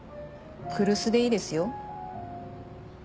「来栖」でいいですよ。